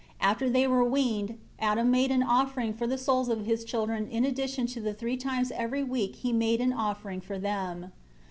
After they were weaned, Adam made an offering for the souls of his children in addition to the three times every week he made an offering for them.